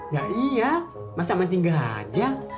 ya iya masa mancing gajah